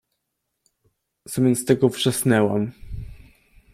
Zamiast tego wrzasnęłam